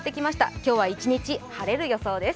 今日は一日晴れる予想です。